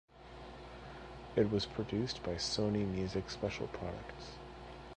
It was produced by Sony Music Special Products.